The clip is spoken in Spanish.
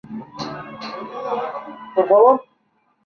Con esto, la primera fase de la ofensiva se consideró completada.